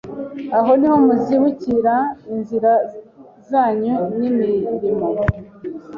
Aho ni ho muzibukira inzira zanyu n imirimo